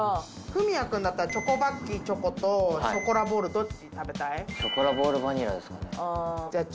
文哉君だったらチョコバッキーチョコとショコラボール、どっち食べたい？